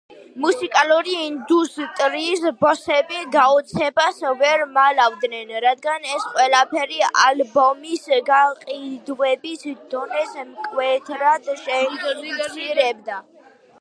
მუსიკალური ინდუსტრიის ბოსები გაოცებას ვერ მალავდნენ, რადგან ეს ყველაფერი ალბომის გაყიდვების დონეს მკვეთრად შეამცირებდა.